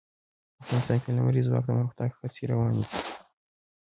افغانستان کې د لمریز ځواک د پرمختګ هڅې روانې دي.